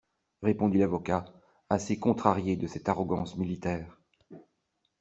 Répondit l'avocat, assez contrarié de cette arrogance militaire.